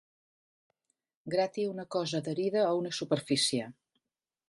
Grati una cosa adherida a una superfície.